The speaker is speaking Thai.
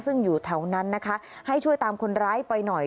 ซึ่งอยู่แถวนั้นนะคะให้ช่วยตามคนร้ายไปหน่อย